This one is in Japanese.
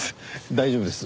大丈夫です。